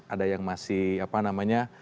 ada yang masih apa namanya